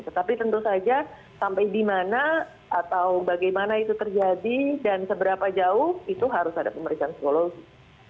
tetapi tentu saja sampai di mana atau bagaimana itu terjadi dan seberapa jauh itu harus ada pemeriksaan psikologi